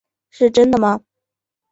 是真的吗？